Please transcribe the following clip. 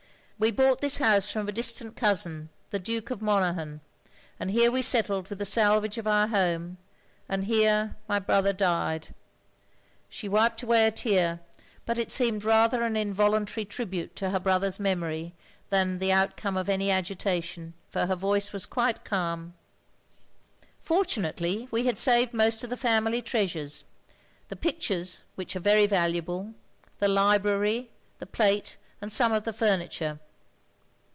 We bought this house from a distant cousin, the Duke of Monaghan, and here we settled with the salvage of our home — and here my brother died." She wiped away a tear, but it seemed rather an 30 THE LONELY LADY involuntary tribute to her brother's memory than the outcome of any agitation, for her voice was quite calm. " Fortunately we had saved most of the family treasures; the pictures, which are very valuable, the library, the plate, and some of the furniture.